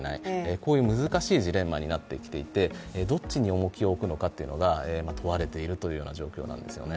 こういう難しいジレンマになってきていてどっちに重きを置くのかというのが問われているという状況なんですね。